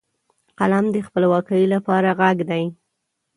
قلم د خپلواکۍ لپاره غږ دی